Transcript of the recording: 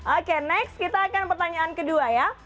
oke next kita akan pertanyaan kedua ya